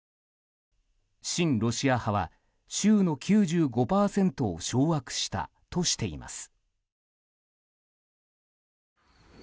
親ロシア派は州の９５％を掌握したとしています。